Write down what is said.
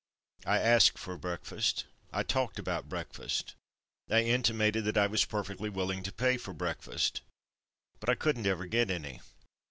I asked for breakfast ; I talked about break fast ; I intimated that I was perfectly willing to pay for breakfast — but I couldn't ever get any.